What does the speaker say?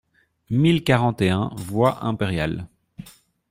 mille quarante et un voie Impériale